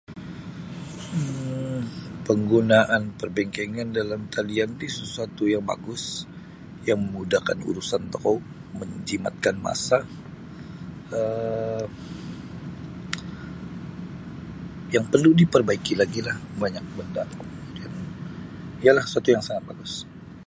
Penggunaan perbankan dalam talian ti sesuatu yang bagus yang memudakan urusan tokou manjimatkan masa um yang perlu diperbaiki lagi lah banyak benda ya lah satu yang sangat bagus.